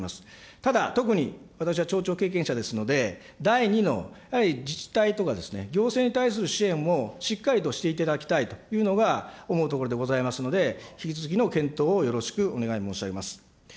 ただ、特に私は町長経験者ですので、第２の、やはり自治体とか、行政に対する支援もしっかりとしていただきたいというのが思うところでございますので、引き続きの検討をよろしくお願い申し上げます。